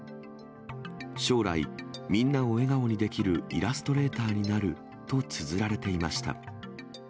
将来、みんなを笑顔にできるイラストレーターになるとつづられていました。